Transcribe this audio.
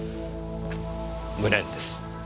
無念です。